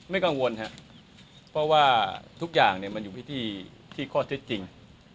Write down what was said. กังวลครับเพราะว่าทุกอย่างมันอยู่ที่ข้อเท็จจริง